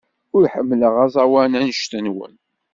Ur ḥemmleɣ aẓawan anect-nwent.